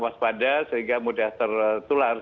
waspada sehingga mudah tertular